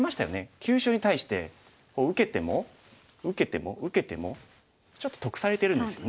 急所に対して受けても受けても受けてもちょっと得されてるんですよね。